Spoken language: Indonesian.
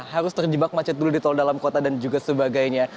harus terjebak macet dulu di tol dalam kota dan juga sebagainya